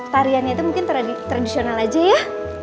tariannya itu mungkin tradisional aja ya